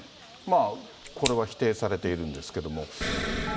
これは否定されているんですけれども。